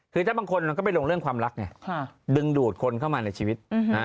คือถ้าบางคนมันก็ไปลงเรื่องความรักไงดึงดูดคนเข้ามาในชีวิต